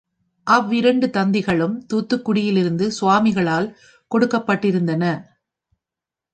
அவ்விரண்டு தந்திகளும் தூத்துக்குடியிலிருந்து சுவாமிகளால் கொடுக்கப்பட்டிருந்தன.